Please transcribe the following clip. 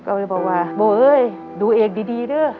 ก็เลยบอกว่าโบ๊ดูเอกดีดั้